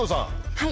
はい。